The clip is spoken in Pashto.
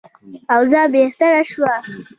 اوضاع بهتره شوه.